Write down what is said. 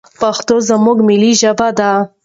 پښتو زموږ ملي ژبه ده.